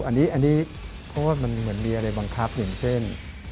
อันนี้เพราะว่ามันเหมือนมีอะไรบังคับอย่างเช่น